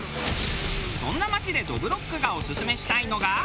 そんな町でどぶろっくがオススメしたいのが。